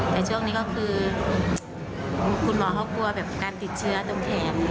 แต่ช่วงนี้ก็คือคุณหมอเขากลัวแบบการติดเชื้อตรงแขน